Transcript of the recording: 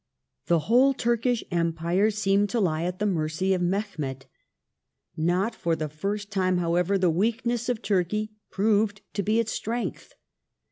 The whole Turkish Empire seemed to lie at the mercy of Mehemet. Not for the first time, however, the weakness of Turkey proved to be its strength.